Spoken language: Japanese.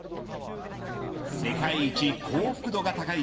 世界一幸福度が高い